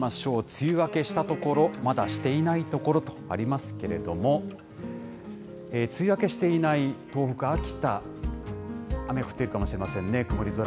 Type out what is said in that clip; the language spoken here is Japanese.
梅雨明けした所、まだしていない所とありますけれども、梅雨明けしていない東北、秋田、雨降ってるかもしれませんね、曇り空。